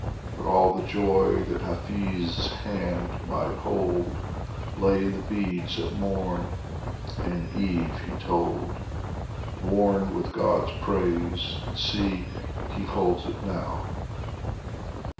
But all the joy that Hafiz' hand might hold, Lay in the beads that morn and eve he told, Worn with God's praise ; and see ! he holds it now.